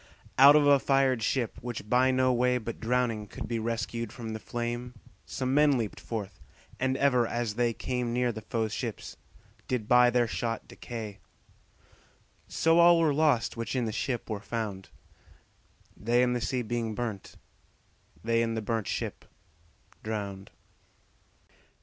Out of a fired ship, which by no way But drowning could be rescued from the flame, Some men leap'd forth, and ever as they came Near the foes' ships, did by their shot decay ; So all were lost, which in the ship were found, They in the sea being burnt, they in the burnt ship drowned.